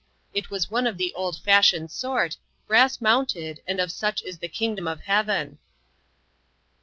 It was one of the old fashioned sort, brass mounted and of such is the Kingdom of Heaven."